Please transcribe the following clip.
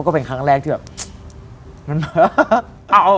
เห็นครั้งแรกที่แบบ